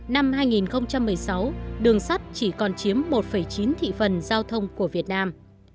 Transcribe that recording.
năm hai nghìn một mươi sáu đường sắt chỉ còn chiếm một chín thị phần giao thông của việt nam